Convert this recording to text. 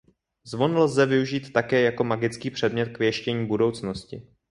Zvon lze využít také jako magický předmět k věštění budoucnosti.